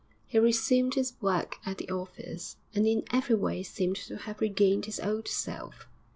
He resumed his work at the office, and in every way seemed to have regained his old self.